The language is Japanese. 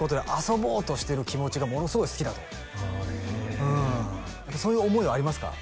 「遊ぼうとしてる気持ちがものすごい好きだ」とへえそういう思いはありますか？